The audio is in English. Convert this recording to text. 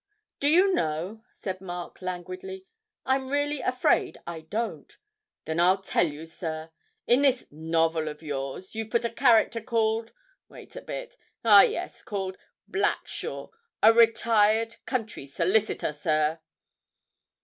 'Do you know,' said Mark languidly, 'I'm really afraid I don't.' 'Then I'll tell you, sir. In this novel of yours you've put a character called wait a bit ah, yes, called Blackshaw, a retired country solicitor, sir.'